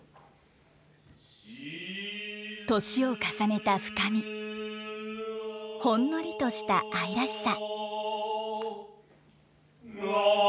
年を重ねた深みほんのりとした愛らしさ。